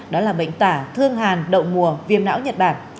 đó là bệnh tả thương hàn đậu mùa viêm não nhật bản